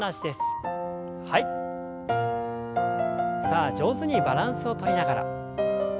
さあ上手にバランスをとりながら。